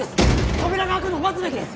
扉が開くのを待つべきです！